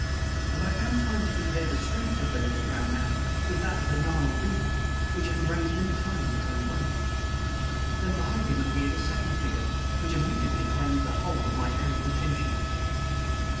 And I found time to compare the strength of the little brown man with that of a Nile beetle, which can raise many times its own weight. Then, behind him, appeared a second figure, which immediately claimed the whole of my errant attention.